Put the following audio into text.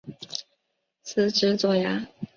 司职左闸。